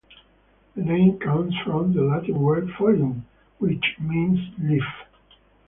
The name comes from the Latin word "folium" which means "leaf".